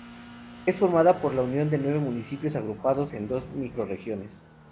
Es formada por la unión de nueve municipios agrupados en dos microrregiones.